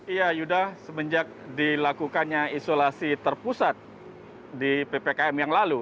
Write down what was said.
iya yuda semenjak dilakukannya isolasi terpusat di ppkm yang lalu